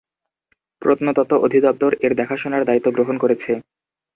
প্রত্নতত্ত্ব অধিদপ্তর এর দেখাশোনার দায়িত্ব গ্রহণ করেছে।